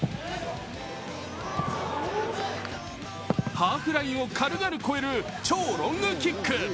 ハーフラインを軽々越える超ロングキック。